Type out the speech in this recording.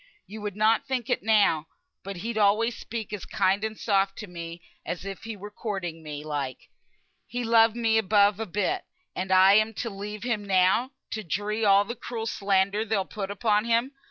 You would not think it, now, but he'd alway speak as kind and soft to me as if he were courting me, like. He loved me above a bit; and am I to leave him now to dree all the cruel slander they'll put upon him?